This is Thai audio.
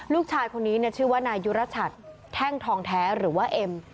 ลูกชายคนนี้ชื่อว่านายยุรชัดแท่งทองแท้หรือว่าเอ็ม